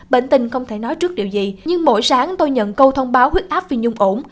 bệnh tình không thể nói trước điều gì nhưng mỗi sáng tôi nhận câu thông báo huyết áp vì nhung ổn